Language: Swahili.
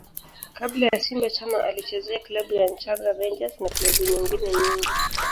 Kabla ya Simba Chama alizichezea klabu ya Nchanga Rangers na klabu nyengine nyingi